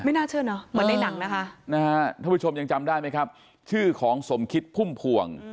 ไม่น่าเชิญเห็นน่ะเหมือนในภูมินะครับในของสมคิตนี้ค่ะ